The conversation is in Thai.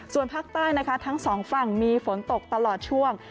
ส่วนภาคใต้นะคะทั้งสองฝั่งมีฝนตกตลอดช่วง